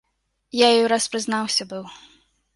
Я ёй раз прызнаўся быў.